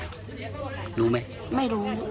เพราะอะไรอะรู้ไหม